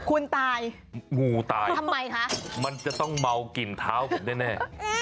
คุณตายงูตายทำไมคะมันจะต้องเมากลิ่นเท้าผมแน่